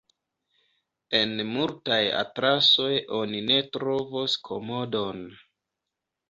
En multaj atlasoj oni ne trovos Komodon.